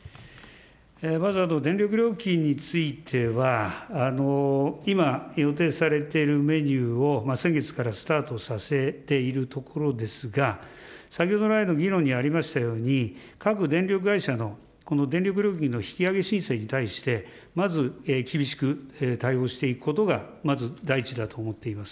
まず電力料金については、今、予定されているメニューを先月からスタートさせているところですが、先ほどらいの議論にありましたように、各電力会社のこの電力料金の引き上げ申請に対して、まず厳しく対応していくことが、まず第一だと思っています。